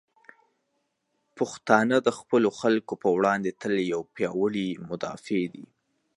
پښتانه د خپلو خلکو په وړاندې تل یو پیاوړي مدافع دی.